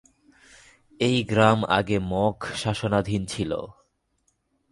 এই গ্রাম আগে মগ শাসনাধীন ছিল।